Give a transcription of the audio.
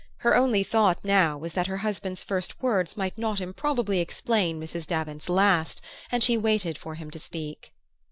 Her only thought now was that her husband's first words might not improbably explain Mrs. Davant's last; and she waited for him to speak.